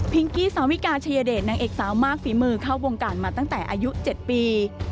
กี้สาวิกาชายเดชนางเอกสาวมากฝีมือเข้าวงการมาตั้งแต่อายุ๗ปี